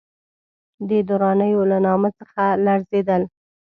د درانیو له نامه څخه لړزېدل.